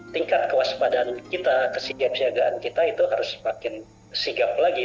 tingkat kewaspadaan kita kesiagaan kesiagaan kita itu harus makin sigap lagi